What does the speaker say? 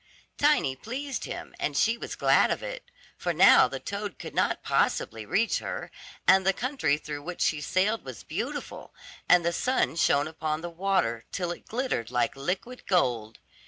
Tiny pleased him, and she was glad of it, for now the toad could not possibly reach her, and the country through which she sailed was beautiful, and the sun shone upon the water, till it glittered like liquid gold.